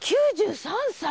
９３歳！？